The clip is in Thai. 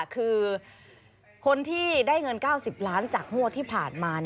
คือคนที่ได้เงิน๙๐ล้านจากงวดที่ผ่านมา